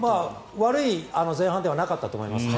悪い前半ではなかったと思いますね。